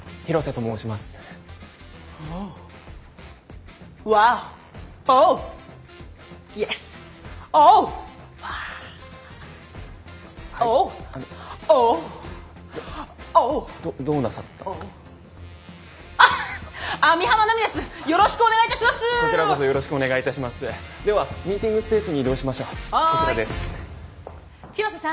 広瀬さん。